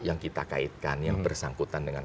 yang kita kaitkan yang bersangkutan dengan